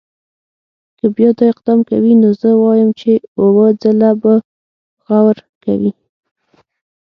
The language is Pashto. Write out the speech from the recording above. که بیا دا اقدام کوي نو زه وایم چې اووه ځله به غور کوي.